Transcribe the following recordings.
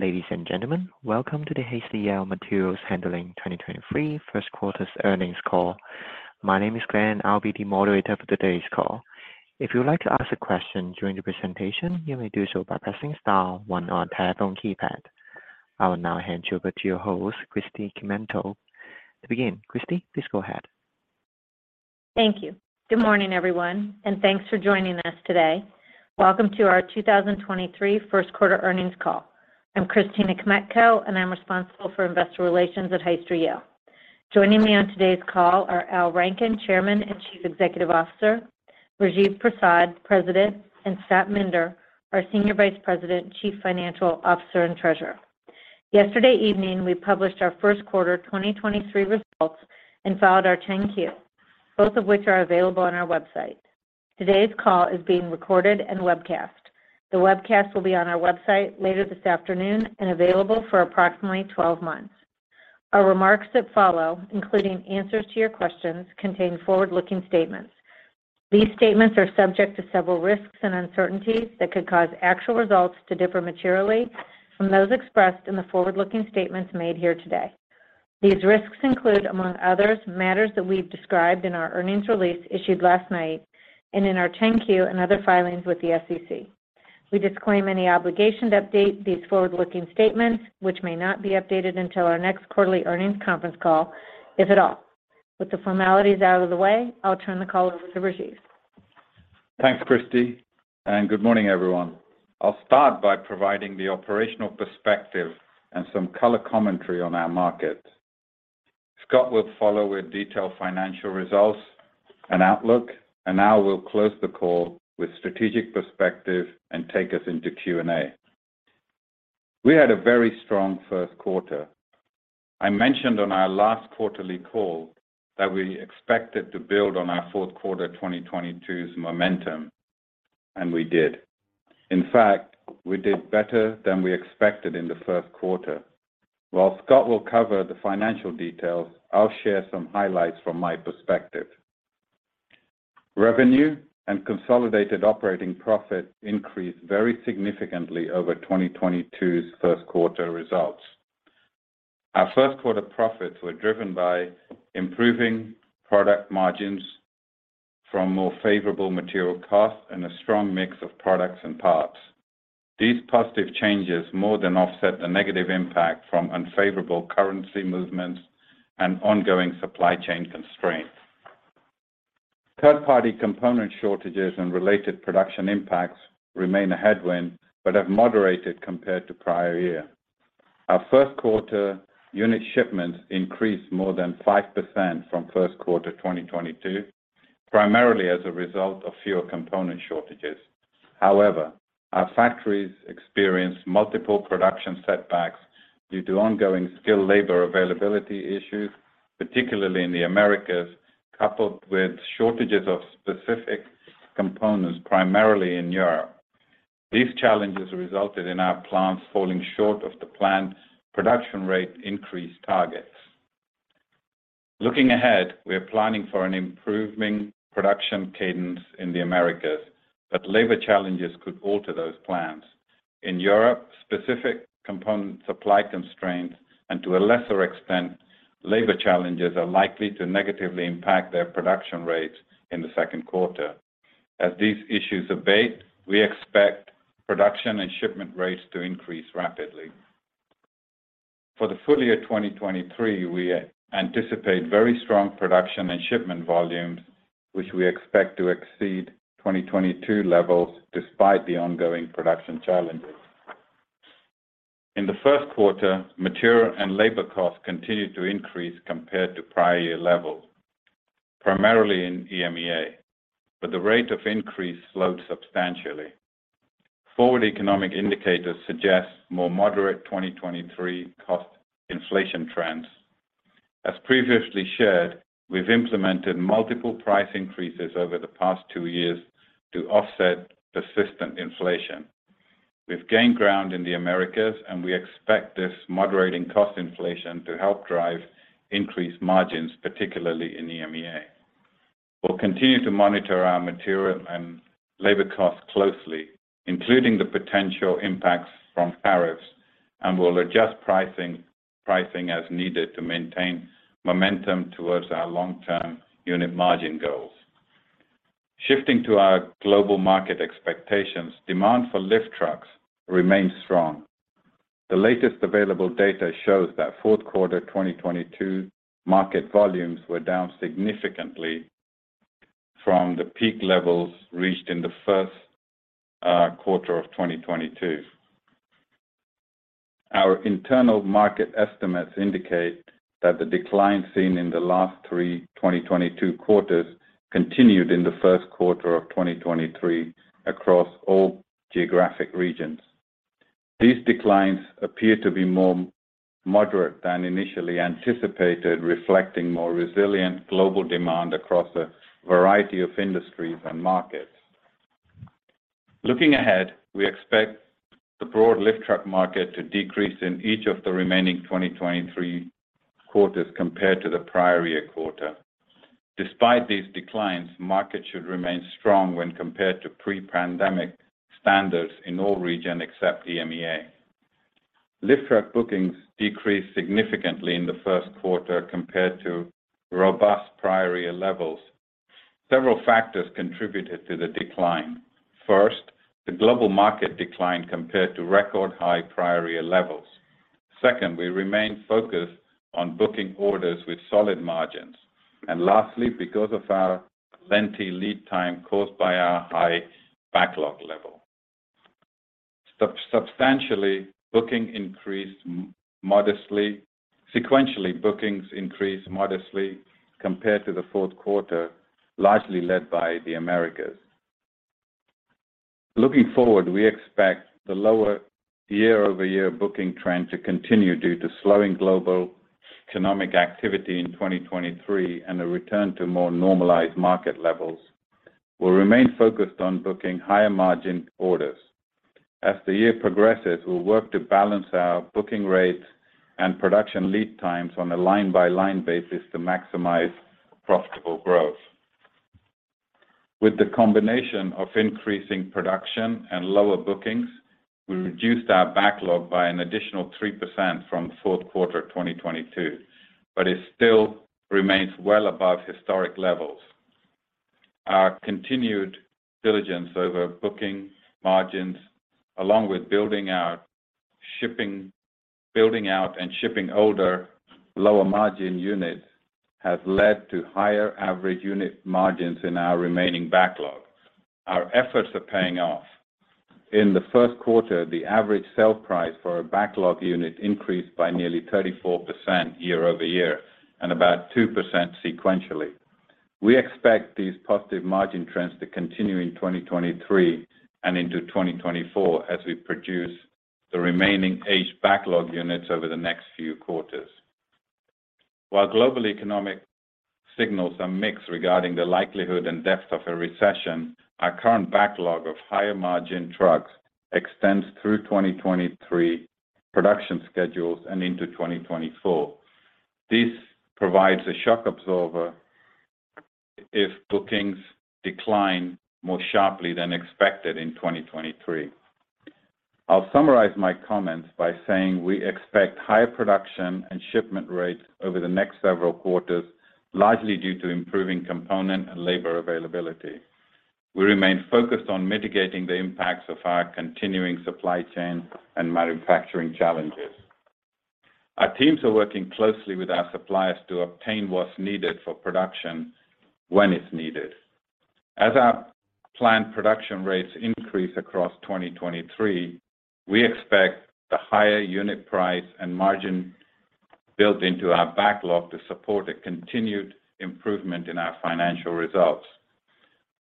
Ladies and gentlemen, welcome to the Hyster-Yale Materials Handling 2023 First Quarter Earnings Call. My name is Glenn, I'll be the moderator for today's call. If you would like to ask a question during the presentation, you may do so by pressing star one on keypad. I will now hand you over to your host, Christy Kmetko. To begin, Christy, please go ahead. Thank you. Good morning everyone and thanks for joining us today. Welcome to our 2023 First Quarter Earnings call. I'm Christina Kmetko and I'm responsible for investor relations at Hyster-Yale. Joining me on today's call are Al Rankin, Chairman and Chief Executive Officer, Rajiv Prasad, President, and Scott Minder, our Senior Vice President, Chief Financial Officer, and Treasurer. Yesterday evening, we published our first quarter 2023 results and filed our 10-Q, both of which are available on our website. Today's call is being recorded and webcast. The webcast will be on our website later this afternoon and available for approximately 12 months. Our remarks that follow including answers to your questions, contain forward-looking statements. These statements are subject to several risks and uncertainties that could cause actual results to differ materially from those expressed in the forward-looking statements made here today. These risks include among others matters that we've described in our earnings release issued last night and in our 10-Q and other filings with the SEC. We disclaim any obligation to update these forward-looking statements, which may not be updated until our next quarterly earnings conference call, if at all. With the formalities out of the way, I'll turn the call over to Rajiv. Thanks Christy. Good morning everyone. I'll start by providing the operational perspective and some color commentary on our markets. Scott will follow with detailed financial results and outlook, and I will close the call with strategic perspective and take us into Q&A. We had a very strong first quarter. I mentioned on our last quarterly call that we expected to build on our fourth quarter 2022's momentum and we did. In fact, we did better than we expected in the first quarter. While Scott will cover the financial details, I'll share some highlights from my perspective. Revenue and consolidated operating profit increased very significantly over 2022's first quarter results. Our first quarter profits were driven by improving product margins from more favorable material costs and a strong mix of products and parts. These positive changes more than offset the negative impact from unfavorable currency movements and ongoing supply chain constraints. Third-party component shortages and related production impacts remain a headwind but have moderated compared to prior year. Our first quarter unit shipments increased more than 5% from first quarter 2022, primarily as a result of fewer component shortages. Our factories experienced multiple production setbacks due to ongoing skilled labor availability issues particularly in the Americas coupled with shortages of specific components primarily in Europe. These challenges resulted in our plants falling short of the planned production rate increase targets. Looking ahead, we are planning for an improving production cadence in the Americas but labor challenges could alter those plans. In Europe, specific component supply constraints and to a lesser extent labor challenges are likely to negatively impact their production rates in the second quarter. As these issues abate, we expect production and shipment rates to increase rapidly. For the full year 2023, we anticipate very strong production and shipment volumes, which we expect to exceed 2022 levels despite the ongoing production challenges. In the first quarter, material and labor costs continued to increase compared to prior year levels, primarily in EMEA but the rate of increase slowed substantially. Forward economic indicators suggest more moderate 2023 cost inflation trends. As previously shared, we've implemented multiple price increases over the past two years to offset persistent inflation. We've gained ground in the Americas and we expect this moderating cost inflation to help drive increased margins, particularly in EMEA. We'll continue to monitor our material and labor costs closely including the potential impacts from tariffs and we'll adjust pricing as needed to maintain momentum towards our long-term unit margin goals. Shifting to our global market expectations demand for lift trucks remains strong. The latest available data shows that fourth quarter 2022 market volumes were down significantly from the peak levels reached in the first quarter of 2022. Our internal market estimates indicate that the decline seen in the last three 2022 quarters continued in the first quarter of 2023 across all geographic regions. These declines appear to be more moderate than initially anticipated, reflecting more resilient global demand across a variety of industries and markets. Looking ahead, we expect the broad lift truck market to decrease in each of the remaining 2023 quarters compared to the prior year quarter. Despite these declines, markets should remain strong when compared to pre-pandemic standards in all region except EMEA. Lift truck bookings decreased significantly in the first quarter compared to robust prior year levels. Several factors contributed to the decline. First, the global market declined compared to record high prior year levels. Second, we remain focused on booking orders with solid margins. Lastly, because of our lengthy lead time caused by our high backlog level. Substantially, booking increased modestly. Sequentially, bookings increased modestly compared to the fourth quarter largely led by the Americas. Looking forward, we expect the lower year-over-year booking trend to continue due to slowing global economic activity in 2023 and a return to more normalized market levels. We'll remain focused on booking higher margin orders. As the year progresses, we'll work to balance our booking rates and production lead times on a line-by-line basis to maximize profitable growth. With the combination of increasing production and lower bookings, we reduced our backlog by an additional 3% from fourth quarter 2022 but it still remains well above historic levels. Our continued diligence over booking margins along with building out and shipping older lower margin units has led to higher average unit margins in our remaining backlogs. Our efforts are paying off. In the first quarter the average sale price for a backlog unit increased by nearly 34% year-over-year and about 2% sequentially. We expect these positive margin trends to continue in 2023 and into 2024 as we produce the remaining aged backlog units over the next few quarters. While global economic signals are mixed regarding the likelihood and depth of a recession, our current backlog of higher margin trucks extends through 2023 production schedules and into 2024. This provides a shock absorber if bookings decline more sharply than expected in 2023. I'll summarize my comments by saying we expect higher production and shipment rates over the next several quarters largely due to improving component and labor availability. We remain focused on mitigating the impacts of our continuing supply chain and manufacturing challenges. Our teams are working closely with our suppliers to obtain what's needed for production when it's needed. As our planned production rates increase across 2023, we expect the higher unit price and margin built into our backlog to support a continued improvement in our financial results.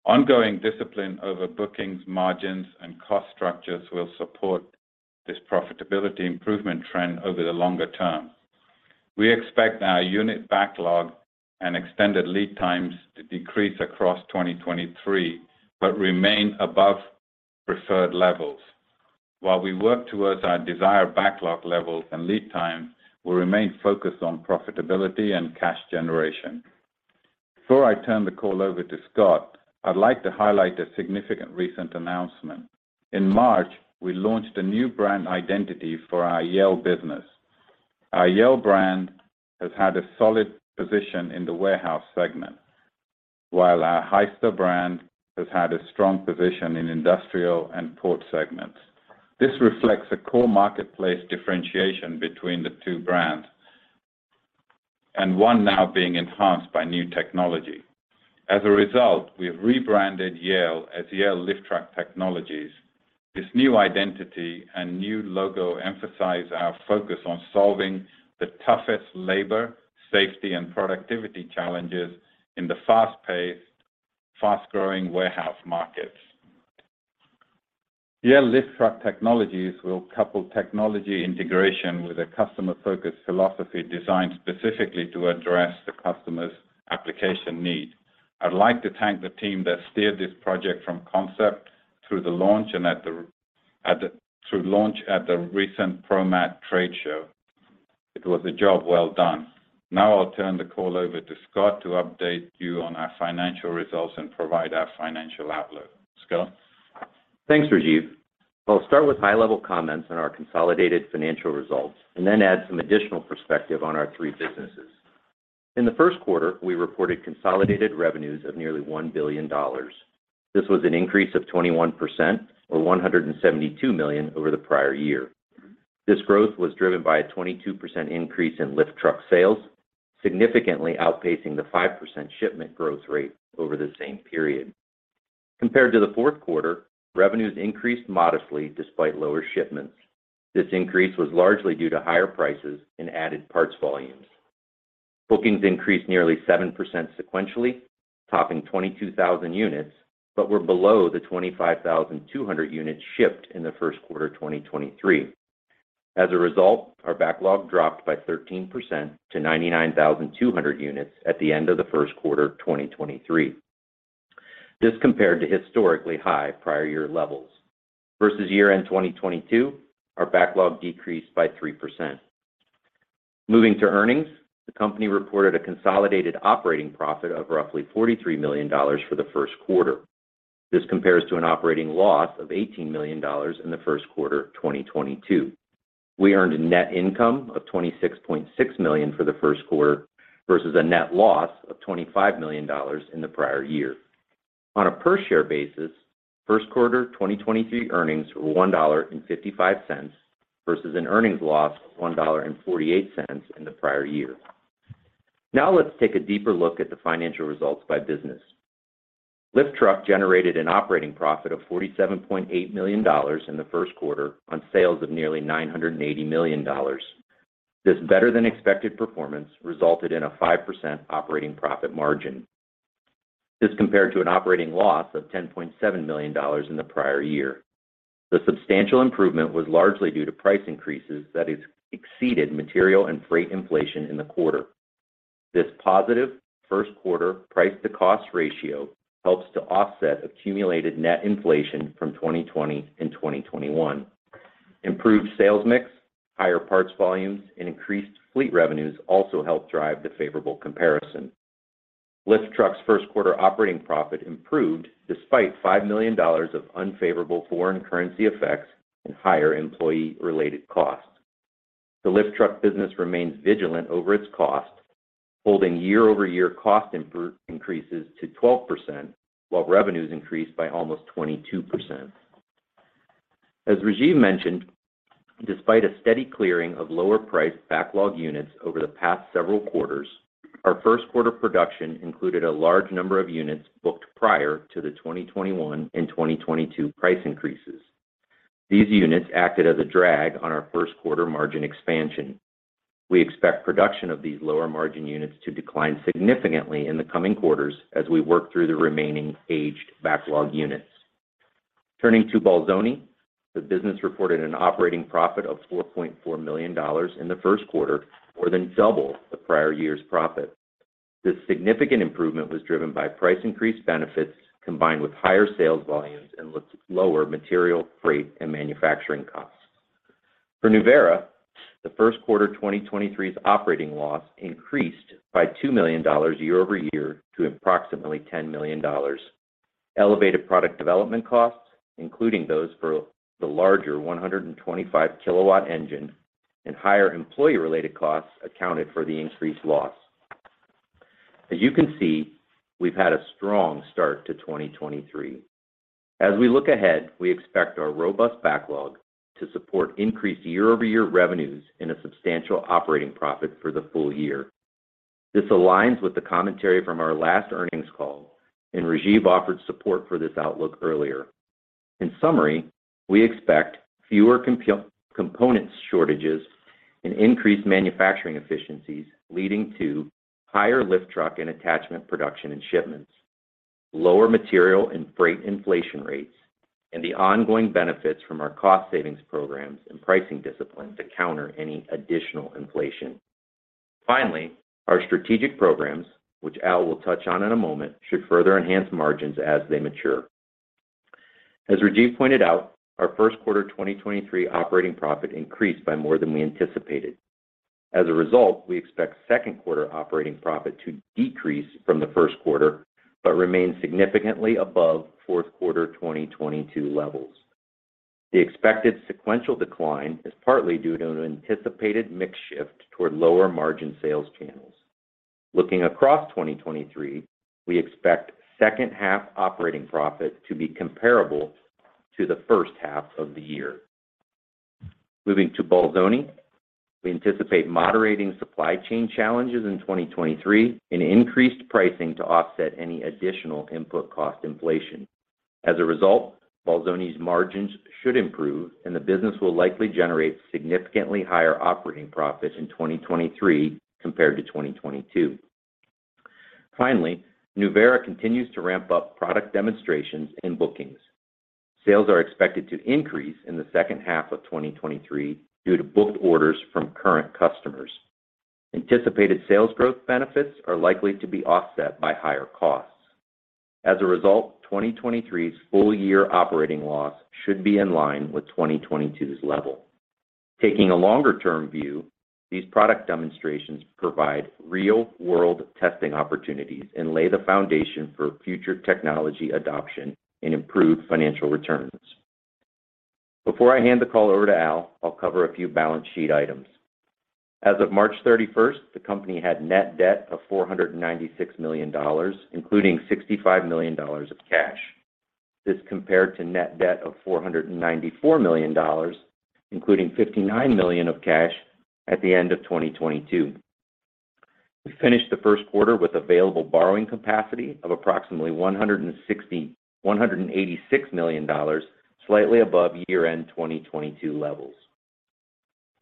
Ongoing discipline over bookings, margins, and cost structures will support this profitability improvement trend over the longer term. We expect our unit backlog and extended lead times to decrease across 2023 but remain above preferred levels. While we work towards our desired backlog levels and lead times, we'll remain focused on profitability and cash generation. Before I turn the call over to Scott, I'd like to highlight a significant recent announcement. In March, we launched a new brand identity for our Yale business. Our Yale brand has had a solid position in the warehouse segment, while our Hyster brand has had a strong position in industrial and port segments. This reflects a core marketplace differentiation between the two brands and one now being enhanced by new technology. As a result, we've rebranded Yale as Yale Lift Truck Technologies. This new identity and new logo emphasize our focus on solving the toughest labor, safety, and productivity challenges in the fast-paced, fast-growing warehouse markets. Yale Lift Truck Technologies will couple technology integration with a customer-focused philosophy designed specifically to address the customer's application needs. I'd like to thank the team that steered this project from concept through launch at the recent ProMat trade show. It was a job well done. Now I'll turn the call over to Scott to update you on our financial results and provide our financial outlook. Scott? Thanks Rajiv. I'll start with high-level comments on our consolidated financial results and then add some additional perspective on our three businesses. In the first quarter, we reported consolidated revenues of nearly $1 billion. This was an increase of 21% or $172 million over the prior year. This growth was driven by a 22% increase in lift truck sales significantly outpacing the 5% shipment growth rate over the same period. Compared to the fourth quarter revenues increased modestly despite lower shipments. This increase was largely due to higher prices and added parts volumes. Bookings increased nearly 7% sequentially, topping 22,000 units but were below the 25,200 units shipped in the first quarter 2023. As a result, our backlog dropped by 13% to 99,200 units at the end of the first quarter 2023. This compared to historically high prior year levels. Versus year-end 2022, our backlog decreased by 3%. Moving to earnings, the company reported a consolidated operating profit of roughly $43 million for the first quarter. This compares to an operating loss of $18 million in the first quarter of 2022. We earned a net income of $26.6 million for the first quarter versus a net loss of $25 million in the prior year. On a per share basis, first quarter 2023 earnings were $1.55 versus an earnings loss of $1.48 in the prior year. Now let's take a deeper look at the financial results by business. Lift Truck generated an operating profit of $47.8 million in the first quarter on sales of nearly $980 million. This better than expected performance resulted in a 5% operating profit margin. This compared to an operating loss of $10.7 million in the prior year. The substantial improvement was largely due to price increases that has exceeded material and freight inflation in the quarter. This positive first quarter price to cost ratio helps to offset accumulated net inflation from 2020 and 2021. Improved sales mix, higher parts volumes, and increased fleet revenues also helped drive the favorable comparison. Lift Truck's first quarter operating profit improved despite $5 million of unfavorable foreign currency effects and higher employee related costs. The Lift Truck business remains vigilant over its costs, holding year-over-year cost increases to 12% while revenues increased by almost 22%. As Rajiv mentioned, despite a steady clearing of lower price backlog units over the past several quarters, our first quarter production included a large number of units booked prior to the 2021 and 2022 price increases. These units acted as a drag on our first quarter margin expansion. We expect production of these lower margin units to decline significantly in the coming quarters as we work through the remaining aged backlog units. Turning to Bolzoni, the business reported an operating profit of $4.4 million in the first quarter more than double the prior year's profit. This significant improvement was driven by price increase benefits combined with higher sales volumes and lower material, freight, and manufacturing costs. For Nuvera, the first quarter 2023's operating loss increased by $2 million year-over-year to approximately $10 million. Elevated product development costs, including those for the larger 125 kW engine and higher employee related costs accounted for the increased loss. As you can see, we've had a strong start to 2023. As we look ahead, we expect our robust backlog to support increased year-over-year revenues in a substantial operating profit for the full year. This aligns with the commentary from our last earnings call and Rajiv offered support for this outlook earlier. In summary, we expect fewer compu-components shortages and increased manufacturing efficiencies leading to higher lift truck and attachment production and shipments, lower material and freight inflation rates and the ongoing benefits from our cost savings programs and pricing discipline to counter any additional inflation. Finally, our strategic programs which Al will touch on in a moment, should further enhance margins as they mature. As Rajiv pointed out, our first quarter 2023 operating profit increased by more than we anticipated. As a result, we expect second quarter operating profit to decrease from the first quarter but remain significantly above fourth quarter 2022 levels. The expected sequential decline is partly due to an anticipated mix shift toward lower margin sales channels. Looking across 2023, we expect H2 operating profit to be comparable to the H1 of the year. Moving to Bolzoni, we anticipate moderating supply chain challenges in 2023 and increased pricing to offset any additional input cost inflation. As a result, Bolzoni's margins should improve and the business will likely generate significantly higher operating profits in 2023 compared to 2022. Finally, Nuvera continues to ramp up product demonstrations and bookings. Sales are expected to increase in the H2 of 2023 due to booked orders from current customers. Anticipated sales growth benefits are likely to be offset by higher costs. As a result, 2023's full year operating loss should be in line with 2022's level. Taking a longer-term view these product demonstrations provide real-world testing opportunities and lay the foundation for future technology adoption and improved financial returns. Before I hand the call over to Al, I'll cover a few balance sheet items. As of March 31st, the company had net debt of $496 million including $65 million of cash. This compared to net debt of $494 million including $59 million of cash at the end of 2022. We finished the first quarter with available borrowing capacity of approximately $186 million slightly above year-end 2022 levels.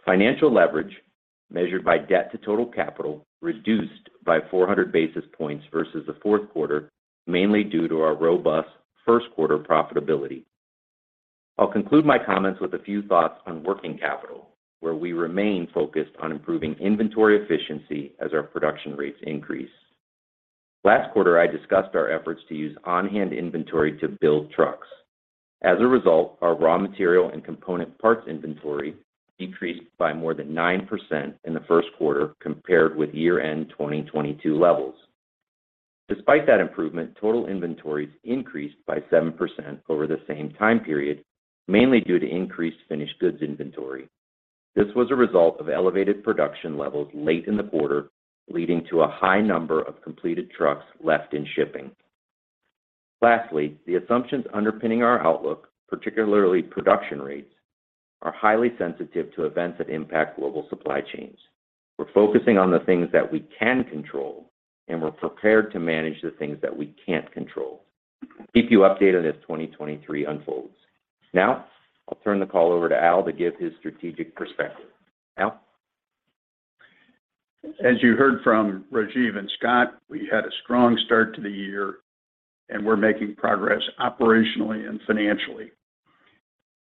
Financial leverage measured by debt to total capital reduced by 400 basis points versus the fourth quarter mainly due to our robust first quarter profitability. I'll conclude my comments with a few thoughts on working capital, where we remain focused on improving inventory efficiency as our production rates increase. Last quarter, I discussed our efforts to use on-hand inventory to build trucks. As a result, our raw material and component parts inventory decreased by more than 9% in the first quarter compared with year-end 2022 levels. Despite that improvement, total inventories increased by 7% over the same time period mainly due to increased finished goods inventory. This was a result of elevated production levels late in the quarter leading to a high number of completed trucks left in shipping. Lastly, the assumptions underpinning our outlook particularly production rates, are highly sensitive to events that impact global supply chains. We're focusing on the things that we can control and we're prepared to manage the things that we can't control. Keep you updated as 2023 unfolds. I'll turn the call over to Al to give his strategic perspective. Al? As you heard from Rajiv and Scott, we had a strong start to the year and we're making progress operationally and financially.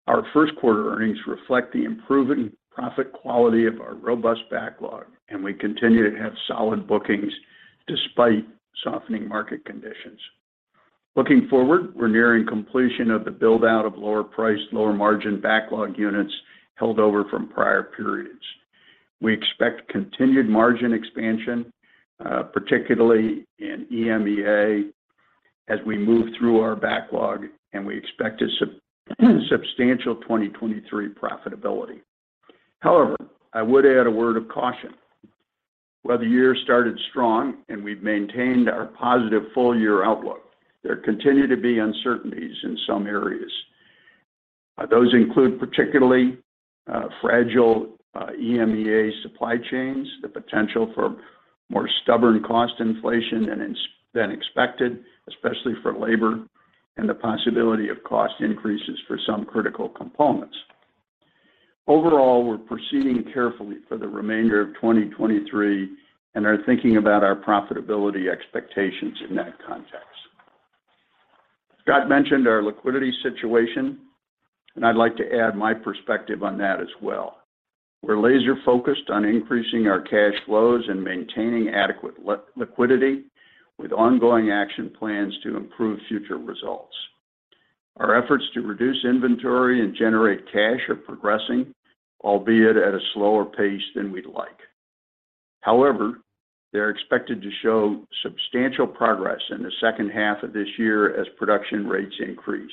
Our first quarter earnings reflect the improving profit quality of our robust backlog and we continue to have solid bookings despite softening market conditions. Looking forward, we're nearing completion of the build-out of lower-priced, lower-margin backlog units held over from prior periods. We expect continued margin expansion, particularly in EMEA as we move through our backlog and we expect a substantial 2023 profitability. However, I would add a word of caution. While the year started strong and we've maintained our positive full-year outlook there continue to be uncertainties in some areas. Those include particularly fragile, EMEA supply chains, the potential for more stubborn cost inflation than expected especially for labor and the possibility of cost increases for some critical components. Overall, we're proceeding carefully for the remainder of 2023 and are thinking about our profitability expectations in that context. Scott mentioned our liquidity situation. I'd like to add my perspective on that as well. We're laser-focused on increasing our cash flows and maintaining adequate liquidity with ongoing action plans to improve future results. Our efforts to reduce inventory and generate cash are progressing, albeit at a slower pace than we'd like. However, they're expected to show substantial progress in the H2 of this year as production rates increase.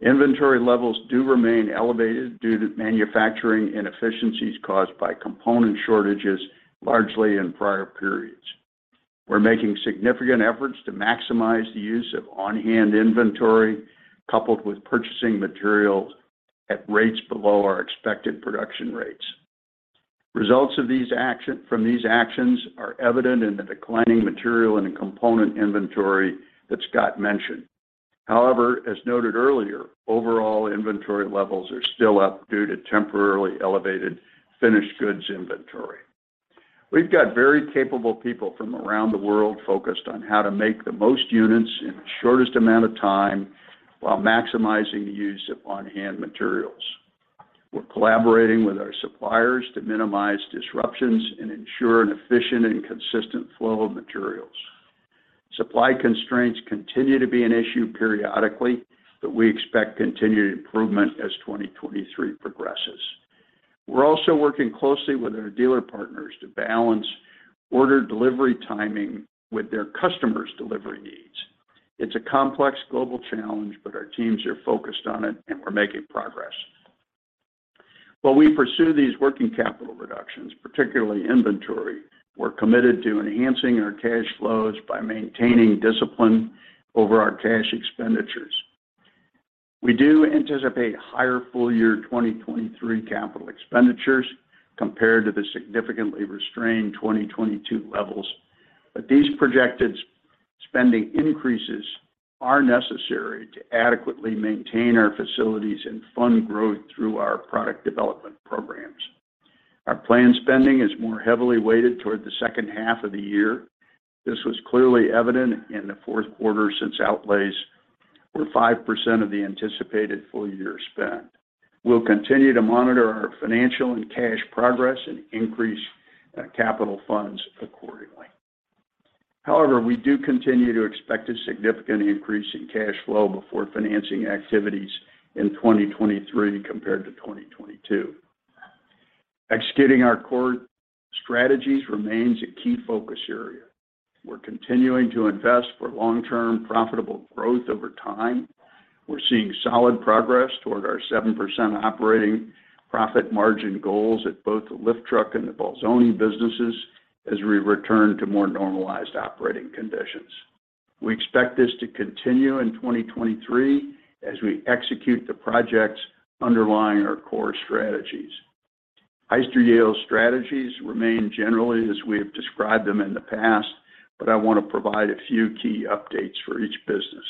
Inventory levels do remain elevated due to manufacturing inefficiencies caused by component shortages, largely in prior periods. We're making significant efforts to maximize the use of on-hand inventory coupled with purchasing materials at rates below our expected production rates. Results from these actions are evident in the declining material and component inventory that Scott mentioned. As noted earlier, overall inventory levels are still up due to temporarily elevated finished goods inventory. We've got very capable people from around the world focused on how to make the most units in the shortest amount of time while maximizing the use of on-hand materials. We're collaborating with our suppliers to minimize disruptions and ensure an efficient and consistent flow of materials. Supply constraints continue to be an issue periodically. We expect continued improvement as 2023 progresses. We're also working closely with our dealer partners to balance order delivery timing with their customers' delivery needs. It's a complex global challenge. Our teams are focused on it and we're making progress. While we pursue these working capital reductions, particularly inventory, we're committed to enhancing our cash flows by maintaining discipline over our cash expenditures. We do anticipate higher full-year 2023 capital expenditures compared to the significantly restrained 2022 levels. These projected spending increases are necessary to adequately maintain our facilities and fund growth through our product development programs. Our planned spending is more heavily weighted toward the H2 of the year. This was clearly evident in the fourth quarter since outlays were 5% of the anticipated full-year spend. We'll continue to monitor our financial and cash progress and increase capital funds accordingly. However, we do continue to expect a significant increase in cash flow before financing activities in 2023 compared to 2022. Executing our core strategies remains a key focus area. We're continuing to invest for long-term profitable growth over time. We're seeing solid progress toward our 7% operating profit margin goals at both the lift truck and the Bolzoni businesses as we return to more normalized operating conditions. We expect this to continue in 2023 as we execute the projects underlying our core strategies. Hyster-Yale's strategies remain generally as we have described them in the past but I want to provide a few key updates for each business.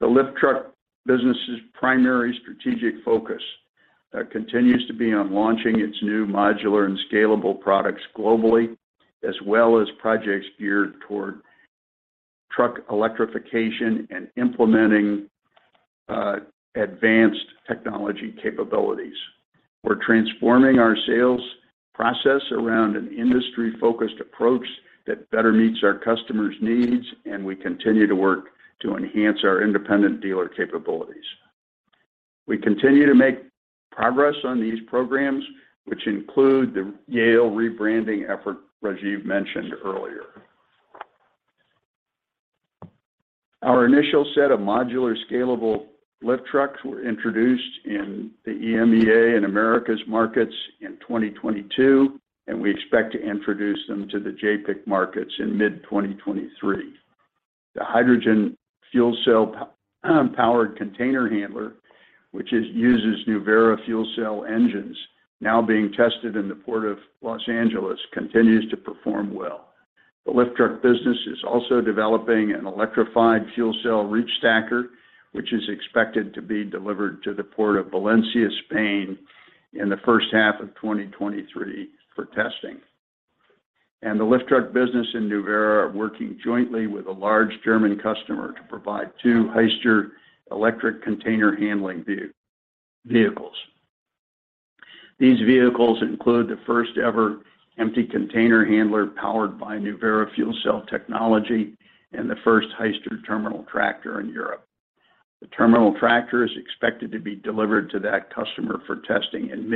The lift truck business' primary strategic focus continues to be on launching its new modular and scalable products globally as well as projects geared toward truck electrification and implementing advanced technology capabilities. We're transforming our sales process around an industry-focused approach that better meets our customers' needs and we continue to work to enhance our independent dealer capabilities. We continue to make progress on these programs, which include the Yale rebranding effort Rajiv mentioned earlier. Our initial set of modular scalable lift trucks were introduced in the EMEA and Americas markets in 2022. We expect to introduce them to the JPIC markets in mid-2023. The hydrogen fuel cell powered container handler which uses Nuvera fuel cell engines now being tested in the Port of Los Angeles, continues to perform well. The lift truck business is also developing an electrified fuel cell reach stacker which is expected to be delivered to the Port of Valencia, Spain in the H1 of 2023 for testing. The lift truck business in Nuvera are working jointly with a large German customer to provide 2 Hyster electric container handling vehicles. These vehicles include the first ever empty container handler powered by Nuvera fuel cell technology and the first Hyster terminal tractor in Europe. The terminal tractor is expected to be delivered to that customer for testing in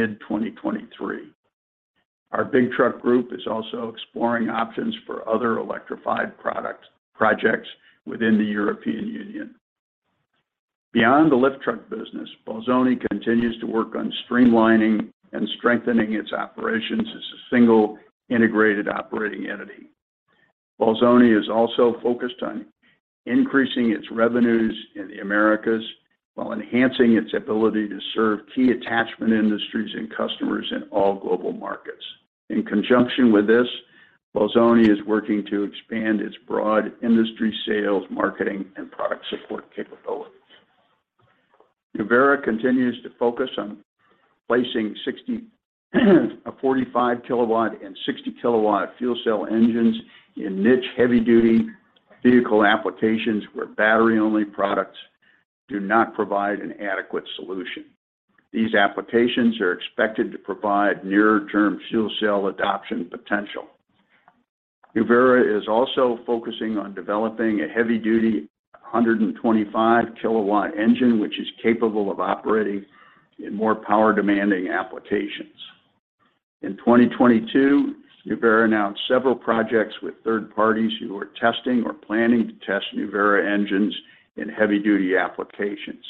mid-2023. Our Big Truck group is also exploring options for other electrified projects within the European Union. Beyond the lift truck business, Bolzoni continues to work on streamlining and strengthening its operations as a single integrated operating entity. Bolzoni is also focused on increasing its revenues in the Americas while enhancing its ability to serve key attachment industries and customers in all global markets. In conjunction with this, Bolzoni is working to expand its broad industry sales, marketing, and product support capabilities. Nuvera continues to focus on placing 45 kW and 60 kW fuel cell engines in niche heavy-duty vehicle applications where battery-only products do not provide an adequate solution. These applications are expected to provide near-term fuel cell adoption potential. Nuvera is also focusing on developing a heavy-duty 125 kW engine which is capable of operating in more power-demanding applications. 2022, Nuvera announced several projects with third parties who are testing or planning to test Nuvera engines in heavy-duty applications.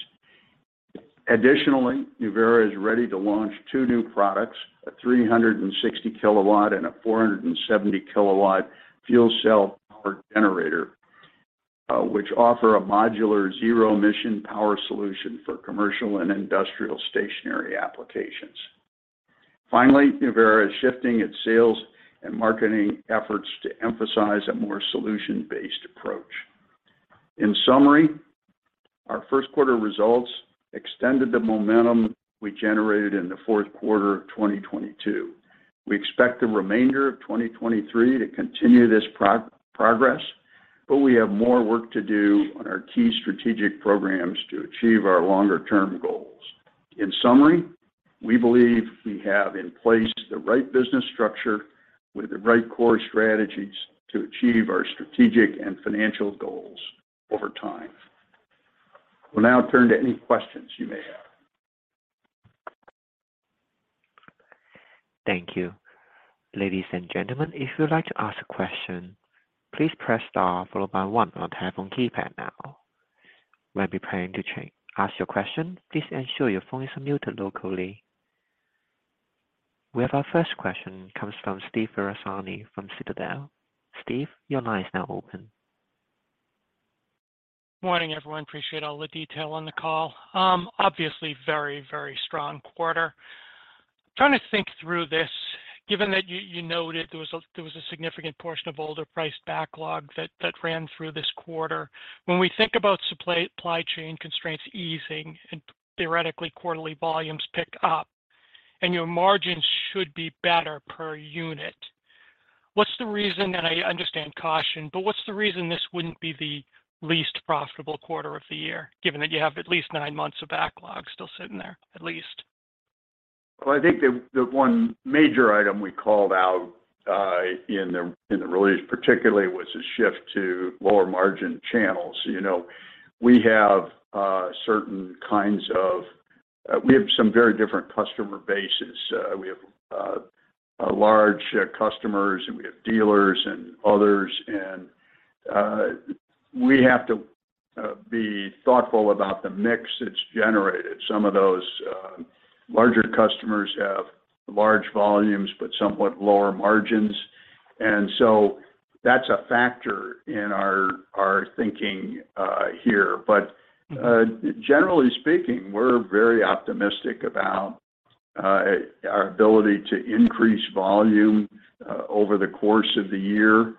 Additionally, Nuvera is ready to launch two new products a 360 kW and a 470 kW fuel cell powered generator which offer a modular zero emission power solution for commercial and industrial stationary applications. Finally, Nuvera is shifting its sales and marketing efforts to emphasize a more solution-based approach. In summary, our first quarter results extended the momentum we generated in the fourth quarter of 2022. We expect the remainder of 2023 to continue this progress, we have more work to do on our key strategic programs to achieve our longer term goals. In summary, we believe we have in place the right business structure with the right core strategies to achieve our strategic and financial goals over time. We'll now turn to any questions you may have. Thank you. Ladies and gentlemen, if you would like to ask a question, please press star followed by one on telephone keypad now. When preparing to ask your question, please ensure your phone is on muted locally. We have our first question comes from Steph Verazani from Citadel. Steph, your line is now open. Morning everyone. Appreciate all the detail on the call. Obviously very, very strong quarter. Trying to think through this, given that you noted there was a significant portion of older priced backlog that ran through this quarter. When we think about supply chain constraints easing and theoretically quarterly volumes pick up and your margins should be better per unit, what's the reason and I understand caution but what's the reason this wouldn't be the least profitable quarter of the year, given that you have at least nine months of backlog still sitting there at least? Well, I think the one major item we called out, in the, in the release particularly was a shift to lower margin channels. You know, we have, certain kinds of, we have some very different customer bases. We have, large, customers, and we have dealers and others. We have to be thoughtful about the mix that's generated. Some of those, larger customers have large volumes but somewhat lower margins and so that's a factor in our thinking, here. Mm-hmm. Generally speaking, we're very optimistic about our ability to increase volume over the course of the year.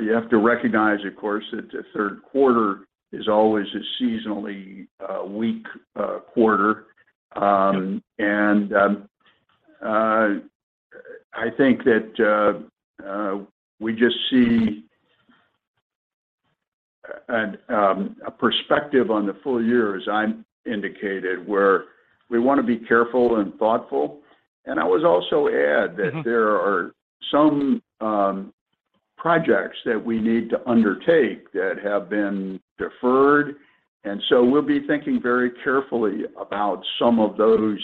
You have to recognize, of course, that the third quarter is always a seasonally weak quarter. I think that we just see an a perspective on the full year as I indicated, where we wanna be careful and thoughtful. I would also add. Mm-hmm. That there are some projects that we need to undertake that have been deferred. We'll be thinking very carefully about some of those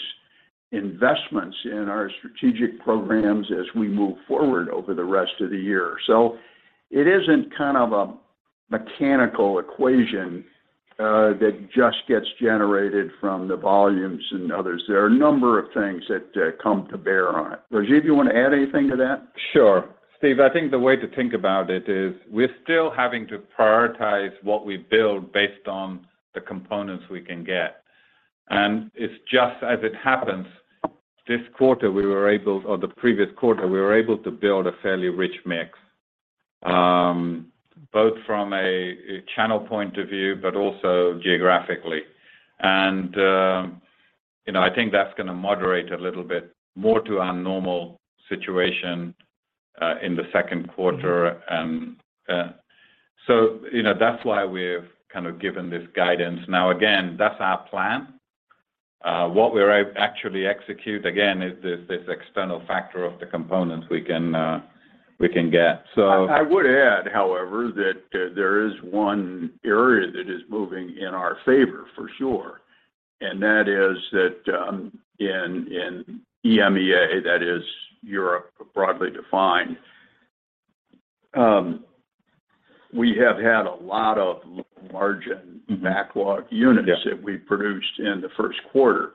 investments in our strategic programs as we move forward over the rest of the year. It isn't kind of a mechanical equation that just gets generated from the volumes and others. There are a number of things that come to bear on it. Rajiv, you wanna add anything to that? Sure. Steve, I think the way to think about it is we're still having to prioritize what we build based on the components we can get. It's just as it happens, this quarter we were able or the previous quarter, we were able to build a fairly rich mix both from a channel point of view but also geographically. You know, I think that's gonna moderate a little bit more to our normal situation in the second quarter. You know, that's why we've kind of given this guidance. Now again, that's our plan. What we're actually execute again is this external factor of the components we can, we can get. I would add however that there is one area that is moving in our favor for sure, and that is that, in EMEA, that is Europe broadly defined we have had a lot of large and backlog units that we produced in the first quarter.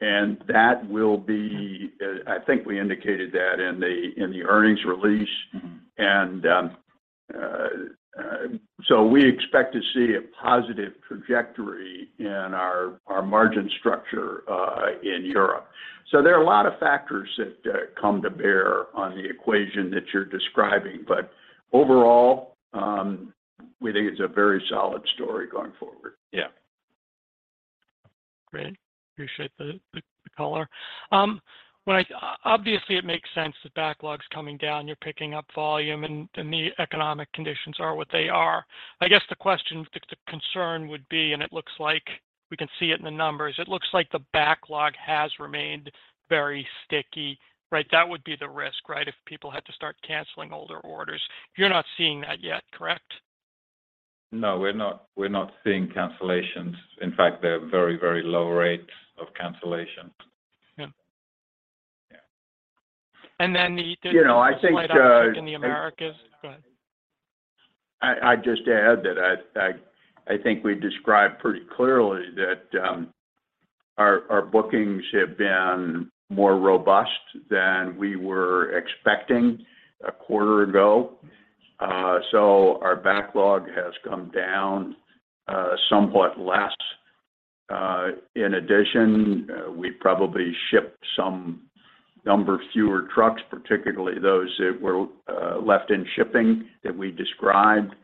That will be, I think we indicated that in the earnings release. Mm-hmm. We expect to see a positive trajectory in our margin structure, in Europe. There are a lot of factors that come to bear on the equation that you're describing, but overall, we think it's a very solid story going forward. Yeah. Great. Appreciate the color. Obviously it makes sense the backlog's coming down you're picking up volume and the economic conditions are what they are. I guess the question, the concern would be, and it looks like we can see it in the numbers, it looks like the backlog has remained very sticky, right? That would be the risk, right? If people had to start canceling older orders. You're not seeing that yet, correct? No, we're not. We're not seeing cancellations. In fact, they're very, very low rates of cancellations. Yeah. Yeah. And then the, the- You know, I think. Slight uptick in the Americas. Go ahead. I just add that I think we described pretty clearly that our bookings have been more robust than we were expecting a quarter ago. Our backlog has come down somewhat less. In addition, we probably shipped some number fewer trucks, particularly those that were left in shipping that we described,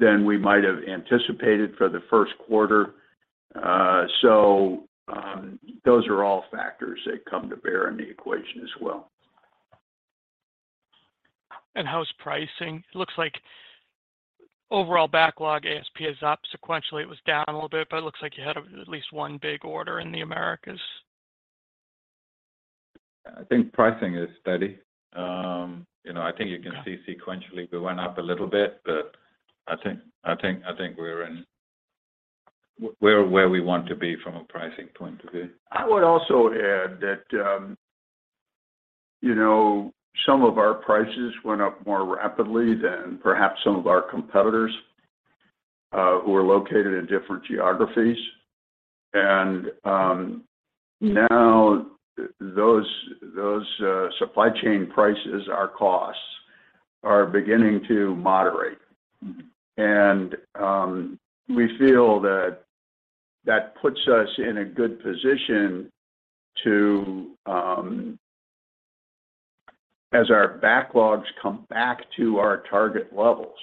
than we might have anticipated for the first quarter. Those are all factors that come to bear in the equation as well. How's pricing? It looks like overall backlog ASP is up. Sequentially it was down a little bit but it looks like you had at least one big order in the Americas. I think pricing is steady. You know, I think you can see sequentially we went up a little bit but I think we're in where we want to be from a pricing point of view. I would also add that, you know, some of our prices went up more rapidly than perhaps some of our competitors, who are located in different geographies. Now those supply chain prices are costs are beginning to moderate. Mm-hmm. We feel that that puts us in a good position to, as our backlogs come back to our target levels,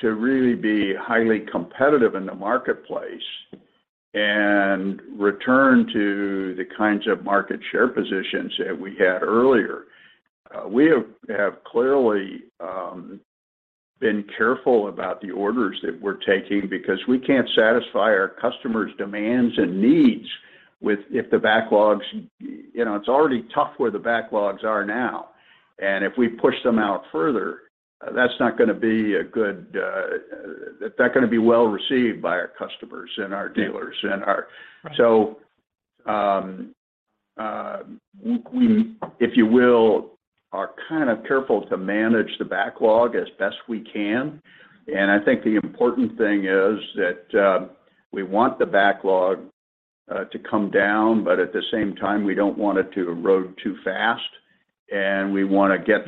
to really be highly competitive in the marketplace and return to the kinds of market share positions that we had earlier. We have clearly been careful about the orders that we're taking because we can't satisfy our customers' demands and needs with, if the backlogs, you know, it's already tough where the backlogs are now, and if we push them out further, that's not gonna be a good, that's not gonna be well received by our customers and our dealers and our. Right. We, if you will, are kind of careful to manage the backlog as best we can. I think the important thing is that we want the backlog to come down but at the same time we don't want it to erode too fast and we wanna get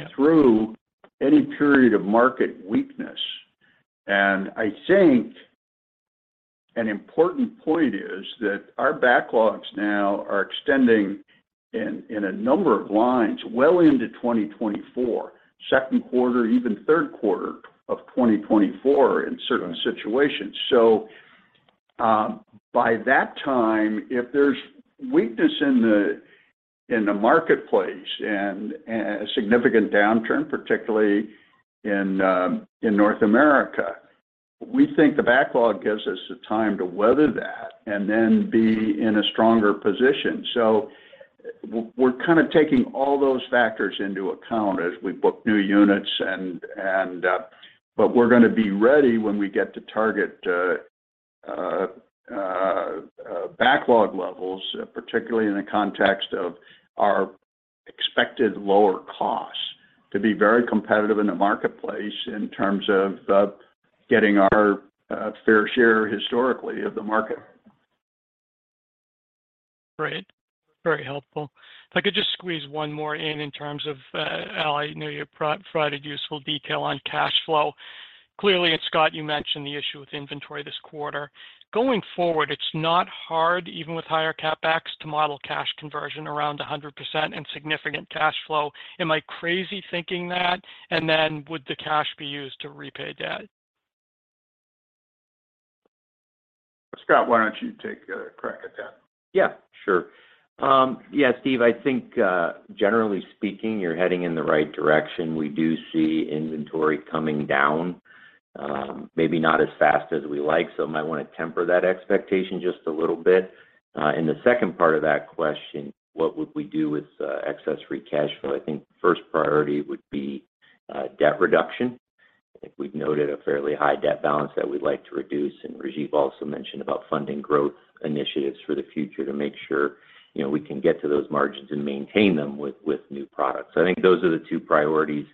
through any period of market weakness. I think an important point is that our backlogs now are extending in a number of lines well into 2024, second quarter even third quarter of 2024 in certain situations. By that time, if there's weakness in the marketplace and a significant downturn particularly in North America, we think the backlog gives us the time to weather that and then be in a stronger position. We're kind of taking all those factors into account as we book new units and. We're gonna be ready when we get to target backlog levels particularly in the context of our expected lower costs to be very competitive in the marketplace in terms of getting our fair share historically of the market. Great. Very helpful. If I could just squeeze one more in terms of, Al, I know you provided useful detail on cash flow. Clearly, Scott, you mentioned the issue with inventory this quarter. Going forward, it's not hard, even with higher CapEx, to model cash conversion around 100% and significant cash flow. Am I crazy thinking that? Would the cash be used to repay debt? Scott, why don't you take a crack at that? Steve, I think, generally speaking, you're heading in the right direction. We do see inventory coming down maybe not as fast as we like, so might wanna temper that expectation just a little bit. In the second part of that question, what would we do with excess free cash flow? I think first priority would be debt reduction. I think we've noted a fairly high debt balance that we'd like to reduce and Rajiv also mentioned about funding growth initiatives for the future to make sure, you know, we can get to those margins and maintain them with new products. I think those are the two priorities,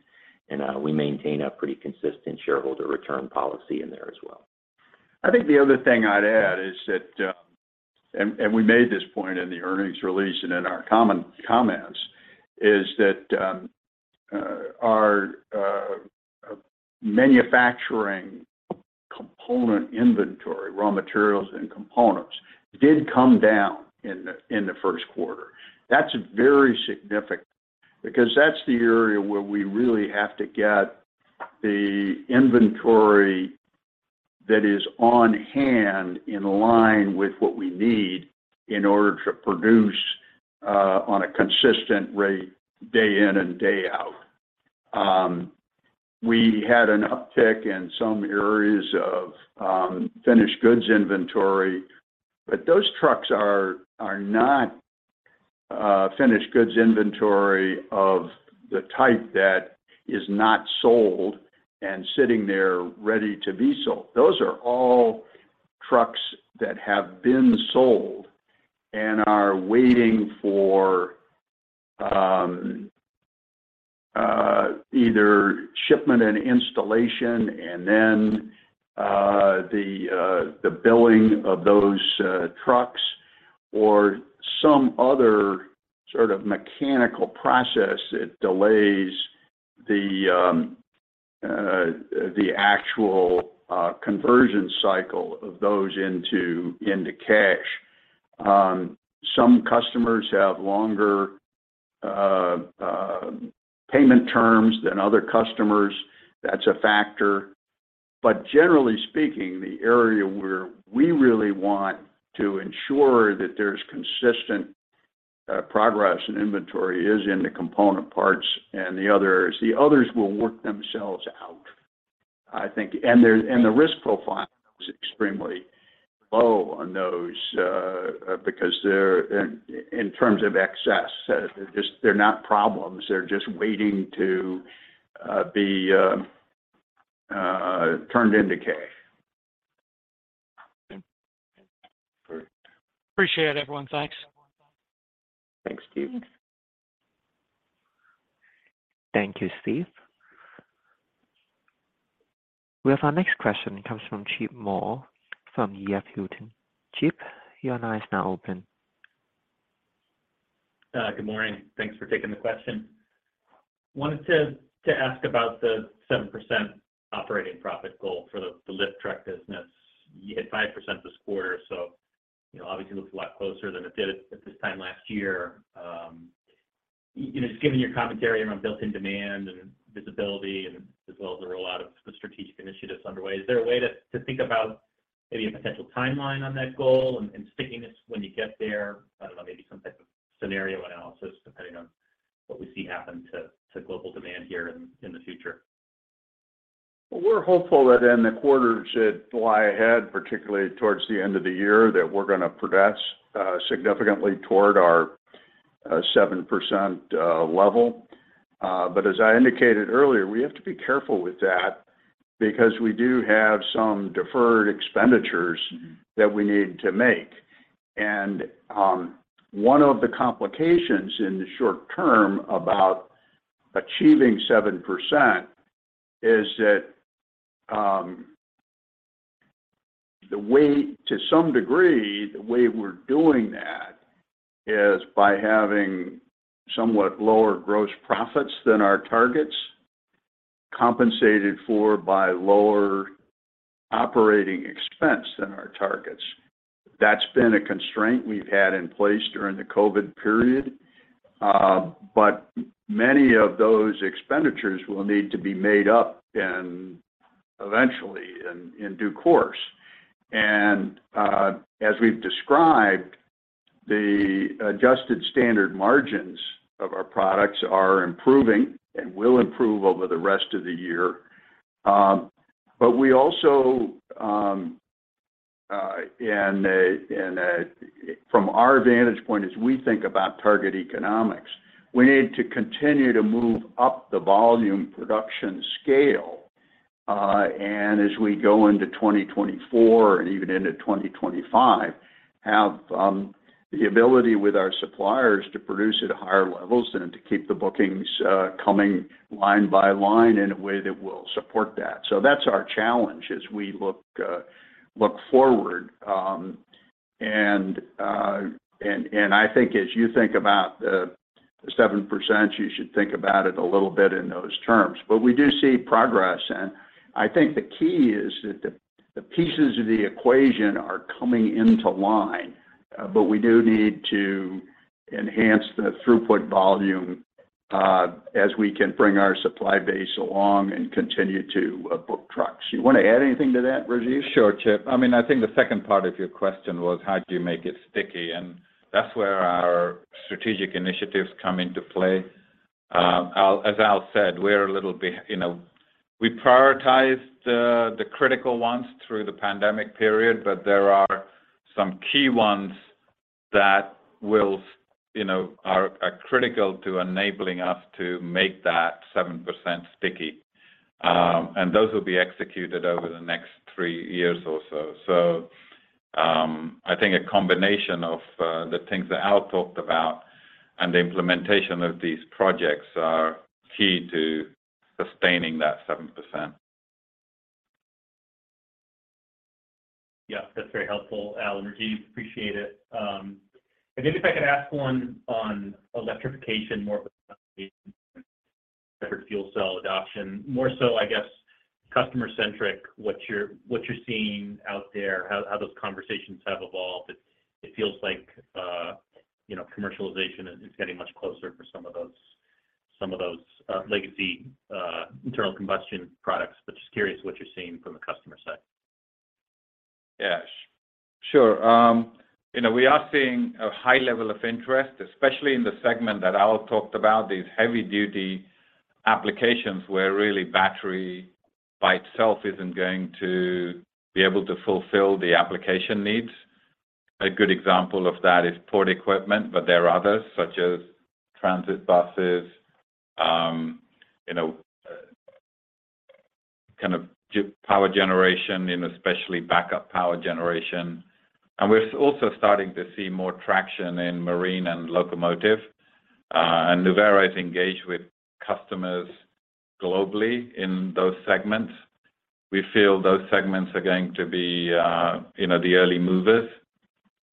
we maintain a pretty consistent shareholder return policy in there as well. I think the other thing I'd add is that and we made this point in the earnings release and in our comments, is that our manufacturing component inventory, raw materials and components, did come down in the first quarter. That's very significant because that's the area where we really have to get the inventory that is on-hand in line with what we need in order to produce on a consistent rate day in and day out. We had an uptick in some areas of finished goods inventory but those trucks are not finished goods inventory of the type that is not sold and sitting there ready to be sold. Those are all trucks that have been sold and are waiting for either shipment and installation and then the billing of those trucks or some other sort of mechanical process that delays the actual conversion cycle of those into cash. Some customers have longer payment terms than other customers. That's a factor. Generally speaking, the area where we really want to ensure that there's consistent progress in inventory is in the component parts and the others. The others will work themselves out, I think. The risk profile is extremely low on those because in terms of excess. They're just they're not problems. They're just waiting to be turned into cash. Appreciate it, everyone. Thanks. Thanks, Steph. Thank you, Steph. We have our next question. It comes from Chip Moore from EF Hutton. Chip, your line is now open. Good morning. Thanks for taking the question. Wanted to ask about the 7% operating profit goal for the lift truck business. You hit 5% this quarter. You know, obviously looks a lot closer than it did at this time last year. You know, just given your commentary around built-in demand and visibility and as well as the rollout of the strategic initiatives underway, is there a way to think about maybe a potential timeline on that goal and stickiness when you get there? I don't know, maybe some type of scenario analysis depending on what we see happen to global demand here in the future. We're hopeful that in the quarters that lie ahead particularly towards the end of the year, that we're gonna progress significantly toward our 7% level. As I indicated earlier, we have to be careful with that because we do have some deferred expenditures that we need to make. One of the complications in the short term about achieving 7% is that the way to some degree, the way we're doing that is by having somewhat lower gross profits than our targets compensated for by lower operating expense than our targets. That's been a constraint we've had in place during the COVID period. Many of those expenditures will need to be made up eventually in due course. As we've described, the adjusted standard margins of our products are improving and will improve over the rest of the year. But we also, from our vantage point as we think about target economics, we need to continue to move up the volume production scale. And as we go into 2024 and even into 2025 have the ability with our suppliers to produce at higher levels and to keep the bookings coming line by line in a way that will support that. That's our challenge as we look forward. And I think as you think about the 7%, you should think about it a little bit in those terms. We do see progress and I think the key is that the pieces of the equation are coming into line but we do need to enhance the throughput volume, as we can bring our supply base along and continue to book trucks. You wanna add anything to that, Rajiv? Sure, Chip. I mean, I think the second part of your question was how do you made it sticky and that's where our strategic initiatives come into play. As Al said, we're a little bit, you know, we prioritized the critical ones through the pandemic period but there are some key ones that will, you know, are critical to enabling us to make that 7% sticky. Those will be executed over the next three years or so. I think a combination of the things that Al talked about and the implementation of these projects are key to sustaining that 7%. That's very helpful, Al and Rajiv. Appreciate it. Maybe if I could ask one on electrification more with fuel cell adoption, more so I guess customer-centric, what you're seeing out there, how those conversations have evolved. It feels like, you know, commercialization is getting much closer for some of those legacy internal combustion products, but just curious what you're seeing from the customer side. Yeah. Sure. you know, we are seeing a high level of interest especially in the segment that Al talked about, these heavy-duty applications where really battery by itself isn't going to be able to fulfill the application needs. A good example of that is port equipment but there are others, such as transit buses, you know, kind of power generation, you know, especially backup power generation. We're also starting to see more traction in marine and locomotive, and Nuvera is engaged with customers globally in those segments. We feel those segments are going to be, you know, the early movers.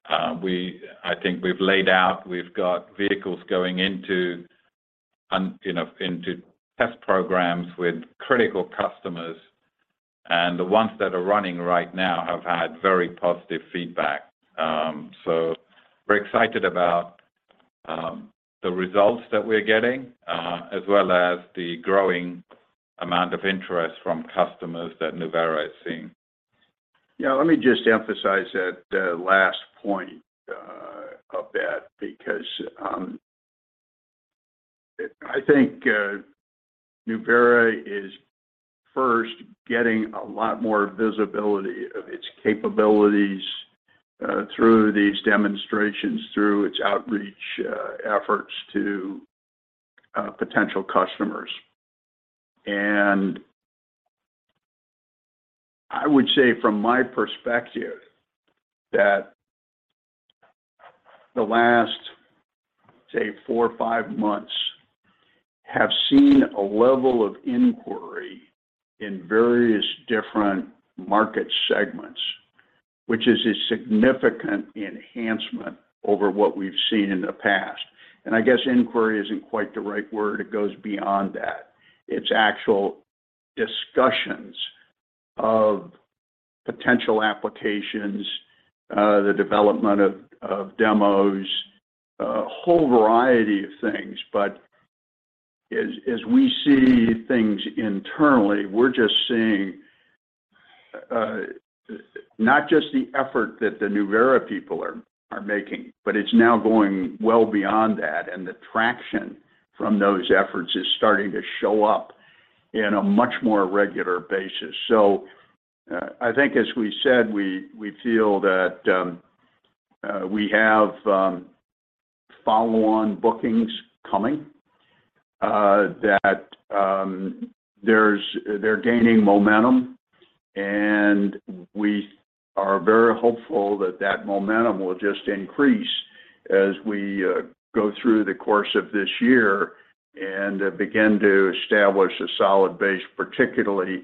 I think we've laid out, we've got vehicles going into you know, into test programs with critical customers and the ones that are running right now have had very positive feedback. We're excited about the results that we're getting as well as the growing amount of interest from customers that Nuvera is seeing. Yeah. Let me just emphasize that last point of that because I think Nuvera is first getting a lot more visibility of its capabilities through these demonstrations through its outreach efforts to potential customers. I would say from my perspective that the last say, four or five months have seen a level of inquiry in various different market segments, which is a significant enhancement over what we've seen in the past. I guess inquiry isn't quite the right word. It goes beyond that. It's actual discussions of potential applications, the development of demos, a whole variety of things. As we see things internally, we're just seeing not just the effort that the Nuvera people are making but it's now going well beyond that and the traction from those efforts is starting to show up in a much more regular basis. I think as we said, we feel that, we have follow-on bookings coming that they're gaining momentum and we are very hopeful that that momentum will just increase as we go through the course of this year and begin to establish a solid base particularly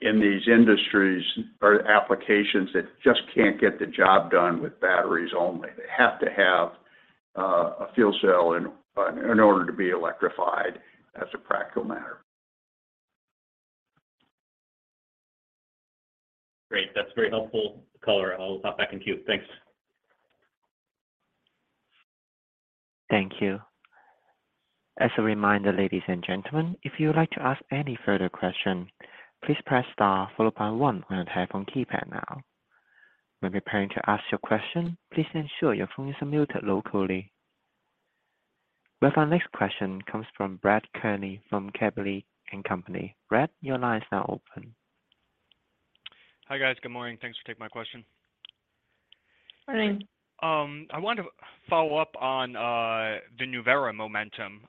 in these industries or applications that just can't get the job done with batteries only. They have to have a fuel cell in order to be electrified as a practical matter. Great. That's very helpful color. I'll hop back into you. Thanks. Thank you. As a reminder, ladies and gentlemen, if you would like to ask any further question, please press star followed by one on your telephone keypad now. When preparing to ask your question, please ensure your phone is muted locally. Well, our next question comes from Brett Kearney from Gabelli & Company. Brett, your line is now open. Hi, guys. Good morning. Thanks for taking my question. Morning. I wanted to follow up on the Nuvera momentum.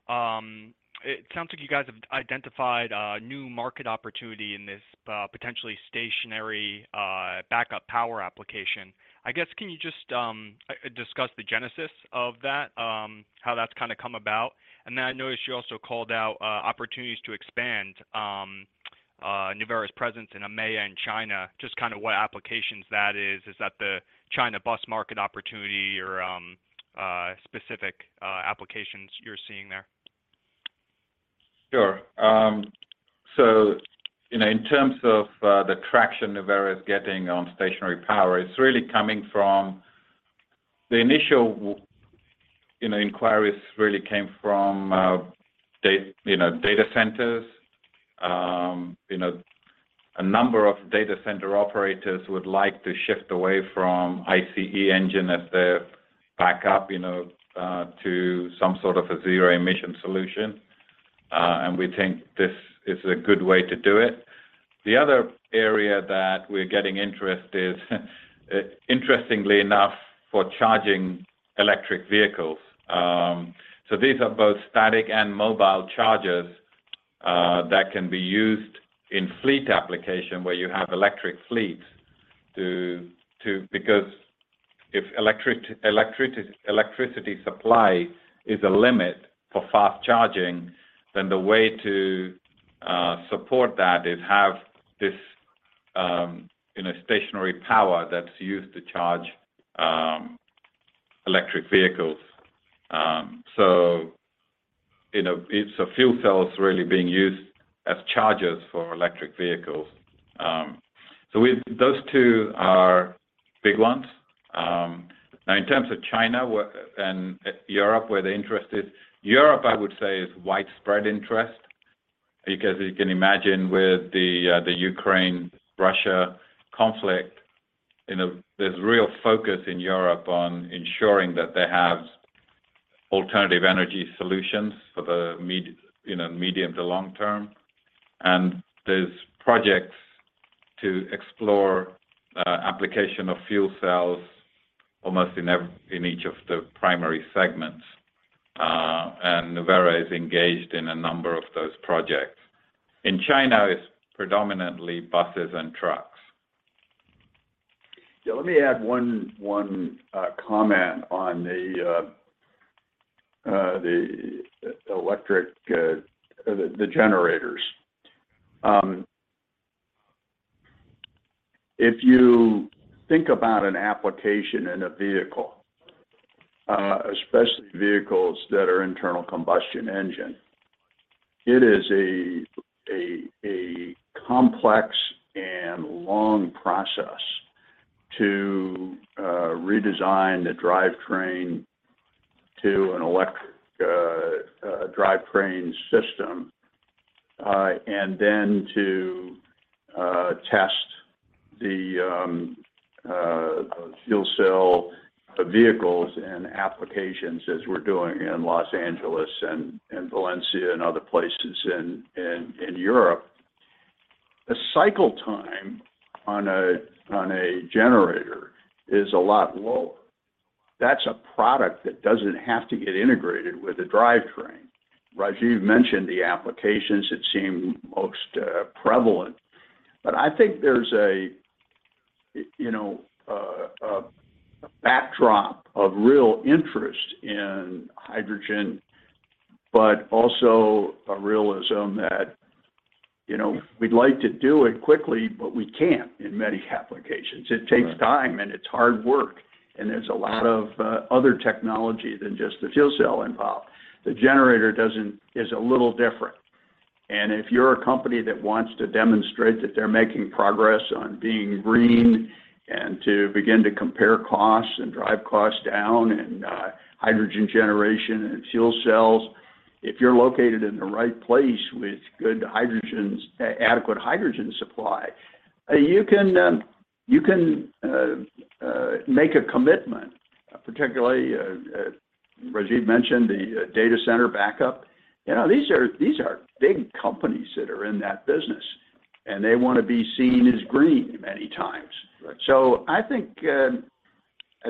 It sounds like you guys have identified a new market opportunity in this potentially stationary backup power application. I guess, can you just discuss the genesis of that, how that's kind of come about? I noticed you also called out opportunities to expand Nuvera's presence in EMEA and China. Just kind of what applications that is. Is that the China bus market opportunity or specific applications you're seeing there? Sure. You know, in terms of the traction Nuvera is getting on stationary power it's really coming from the initial inquiries really came from data centers. You know, a number of data center operators would like to shift away from ICE engine as their backup, you know, to some sort of a zero-emission solution, we think this is a good way to do it. The other area that we're getting interest is interestingly enough for charging electric vehicles. These are both static and mobile chargers that can be used in fleet application where you have electric fleets because if electricity supply is a limit for fast charging, then the way to support that is have this, you know, stationary power that's used to charge electric vehicles. You know, so fuel cells really being used as chargers for electric vehicles. Those two are big ones, now in terms of China and Europe where the interest is, Europe, I would say is widespread interest because you can imagine with the Ukraine-Russia conflict, you know, there's real focus in Europe on ensuring that they have alternative energy solutions for the, you know, medium to long term. There's projects to explore application of fuel cells almost in each of the primary segments, and Nuvera is engaged in a number of those projects. In China, it's predominantly buses and trucks. Yeah, let me add one comment on the electric or the generators. If you think about an application in a vehicle especially vehicles that are internal combustion engine, it is a complex and long process to redesign the drivetrain to an electric drivetrain system and then to test the fuel cell vehicles and applications as we're doing in Los Angeles and Valencia and other places in Europe. The cycle time on a generator is a lot lower. That's a product that doesn't have to get integrated with a drivetrain. Rajiv mentioned the applications that seem prevalenbut I think there's a, you know, a backdrop of real interest in hydrogen but also a realism that, you know, we'd like to do it quickly but we can't in many applications. Right. It takes time and it's hard work and there's a lot of other technology than just the fuel cell involved. The generator is a little different. If you're a company that wants to demonstrate that they're making progress on being green and to begin to compare costs and drive costs down in hydrogen generation and fuel cells, if you're located in the right place with good adequate hydrogen supply, you can make a commitment. Particularly Rajiv mentioned the data center backup. You know, these are big companies that are in that business and they want to be seen as green many times. Right. I think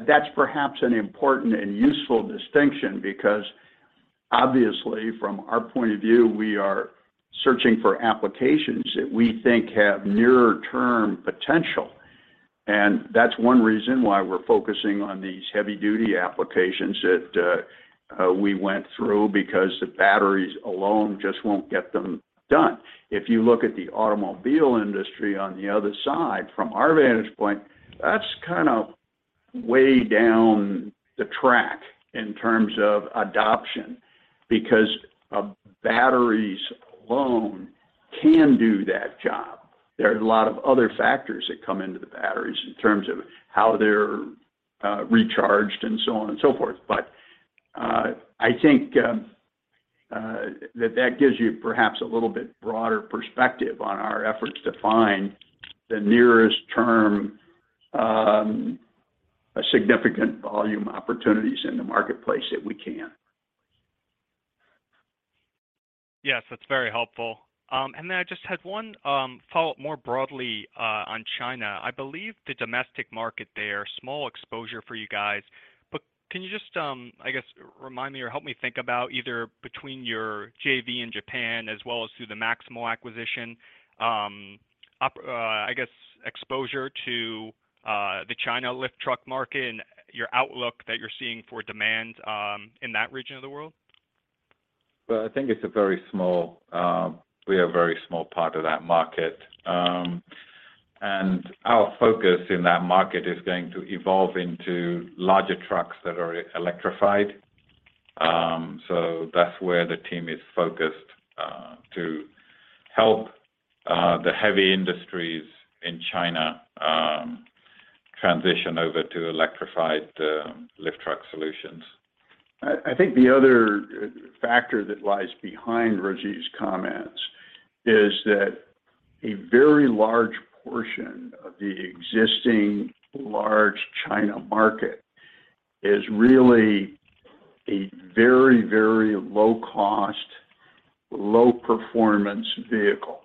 that's perhaps an important and useful distinction because obviously from our point of view we are searching for applications that we think have nearer term potential and that's one reason why we're focusing on these heavy-duty applications that we went through because the batteries alone just won't get them done. If you look at the automobile industry on the other side from our vantage point, that's kind of way down the track in terms of adoption because batteries alone can do that job. There are a lot of other factors that come into the batteries in terms of how they're recharged and so on and so forth. I think that gives you perhaps a little bit broader perspective on our efforts to find the nearest term significant volume opportunities in the marketplace that we can. Yes, that's very helpful. I just had one follow-up more broadly on China. I believe the domestic market there, small exposure for you guys but can you just I guess, remind me or help me think about either between your JV in Japan as well as through the Maximal acquisition, I guess exposure to the China lift truck market and your outlook that you're seeing for demand in that region of the world. I think it's a very small, we are a very small part of that market. Our focus in that market is going to evolve into larger trucks that are electrified. That's where the team is focused to help the heavy industries in China transition over to electrified lift truck solutions. I think the other factor that lies behind Rajiv's comments is that a very large portion of the existing large China market is really a very, very low cost, low performance vehicle.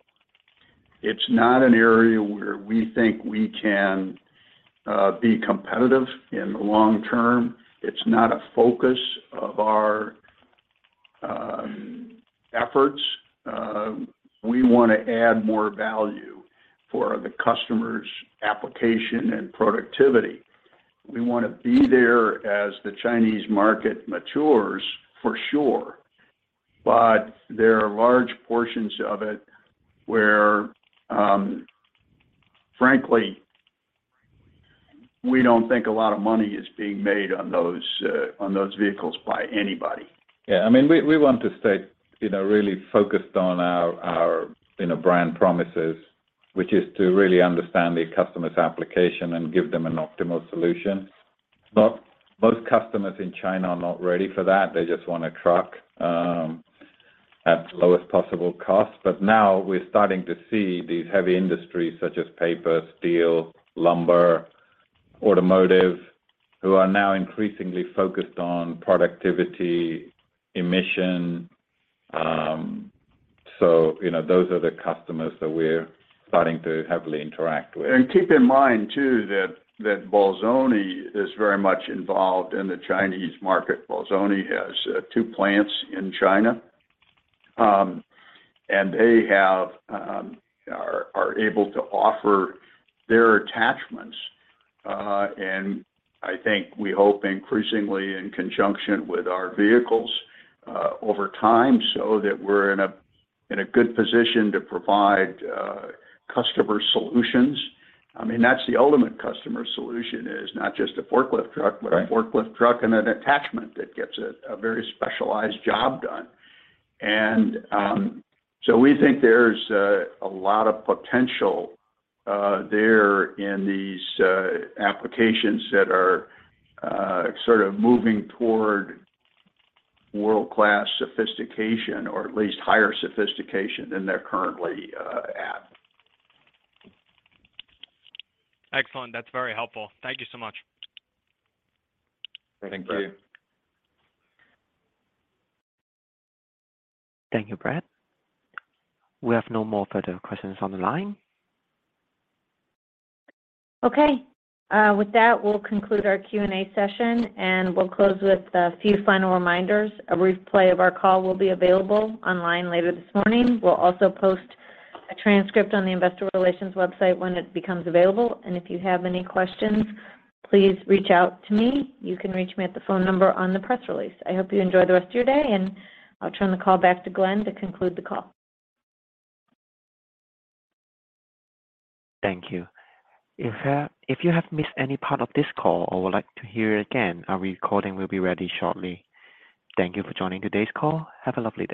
It's not an area where we think we can be competitive in the long term. It's not a focus of our efforts. We wanna add more value for the customer's application and productivity. We wanna be there as the Chinese market matures for sure but there are large portions of it where, frankly, we don't think a lot of money is being made on those vehicles by anybody. Yeah. I mean, we want to stay, you know, really focused on our, you know, brand promises which is to really understand the customer's application and give them an optimal solution. Most customers in China are not ready for that. They just want a truck at the lowest possible cost. Now we're starting to see these heavy industries such as paper, steel, lumber, automotive, who are now increasingly focused on productivity, emission. You know, those are the customers that we're starting to heavily interact with. Keep in mind too that Bolzoni is very much involved in the Chinese market. Bolzoni has two plants in China and they are able to offer their attachments. I think we hope increasingly in conjunction with our vehicles over time so that we're in a good position to provide customer solutions. I mean, that's the ultimate customer solution is not just a forklift truck. Right But a forklift truck and an attachment that gets a very specialized job done. We think there's a lot of potential there in these applications that are sort of moving toward world-class sophistication or at least higher sophistication than they're currently at. Excellent. That's very helpful. Thank you so much. Thank you. Thank you. Thank you, Brett. We have no more further questions on the line. Okay. with that, we'll conclude our Q&A session and we'll close with a few final reminders. A replay of our call will be available online later this morning. We'll also post a transcript on the investor relations website when it becomes available. If you have any questions, please reach out to me. You can reach me at the phone number on the press release. I hope you enjoy the rest of your day, I'll turn the call back to Glenn to conclude the call. Thank you. If, if you have missed any part of this call or would like to hear it again, a recording will be ready shortly. Thank you for joining today's call. Have a lovely day.